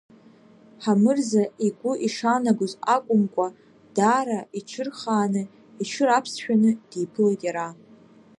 Ҳамырза игу ишаанагоз акумкуа, даара иҽырхааны, иҽыраԥсшәаны диԥылеит иара.